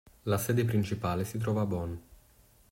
La sede principale si trova a Bonn.